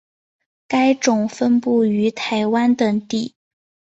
该种分布于台湾等地。